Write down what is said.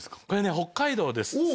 これね北海道です